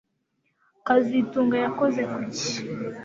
kazitunga yakoze kuki